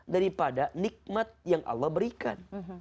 daripada nikmat yang allah berikan